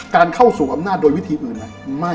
การเข้าสู่อำนาจโดยวิธีอื่นมั้ย